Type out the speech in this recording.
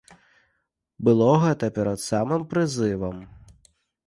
Было гэта перад самым прызывам.